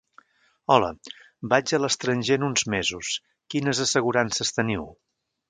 Hola, vaig a l'estranger en uns mesos, quines assegurances teniu?